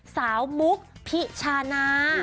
สาวมุกพิชานา